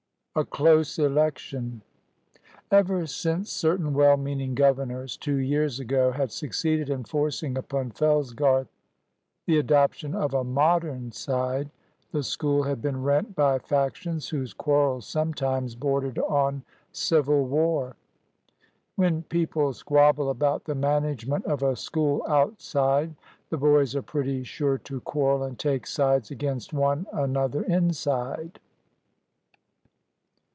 A CLOSE ELECTION. Ever since certain well meaning governors, two years ago, had succeeded in forcing upon Fellsgarth the adoption of a Modern side, the School had been rent by factions whose quarrels sometimes bordered on civil war. When people squabble about the management of a school outside, the boys are pretty sure to quarrel and take sides against one another inside.